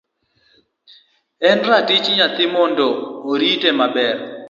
En ratich nyathi mondo orite maber.